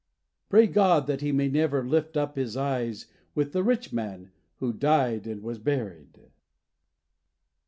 Pray God that he may never "lift up his eyes" With the "rich man" who "died and was buried."